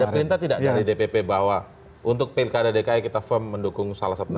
ada perintah tidak dari dpp bahwa untuk pilkada dki kita firm mendukung salah satu negara